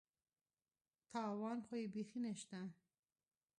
تاوان خو یې بېخي نشته.